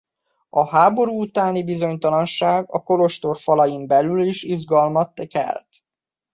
A háború utáni bizonytalanság a kolostor falain belül is izgalmat kelt.